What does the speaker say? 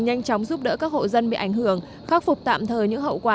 nhanh chóng giúp đỡ các hộ dân bị ảnh hưởng khắc phục tạm thời những hậu quả